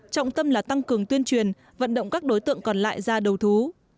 trọng tâm là tăng cường tuyên truyền vận động các đối tượng còn lại ra đầu thú